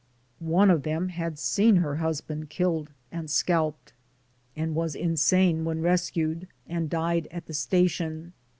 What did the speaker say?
One of them had seen her husband killed and scalped and was insane when rescued, and died at the station.